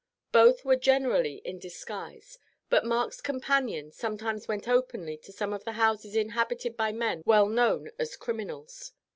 Both were generally in disguise, but Mark's companion sometimes went openly to some of the houses inhabited by men well known as criminals.